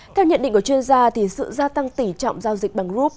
theo nhận định của chuyên gia sự gia tăng tỷ trọng giao dịch bằng rub